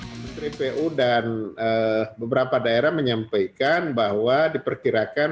menteri pu dan beberapa daerah menyampaikan bahwa diperkirakan